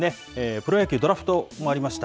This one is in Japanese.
プロ野球、ドラフトもありました。